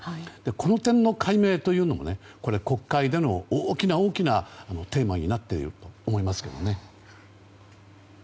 この点の解明というのも国会での大きなテーマになっていると思いますけどね。